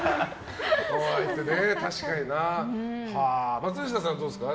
松下さんはどうですか？